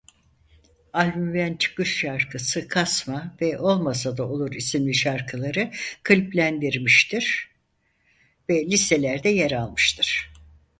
Albümden çıkış şarkısı "Kasma" ve "Olmasa Da Olur" isimli şarkıları kliplendirmiştir ve listelerde yer almıştır.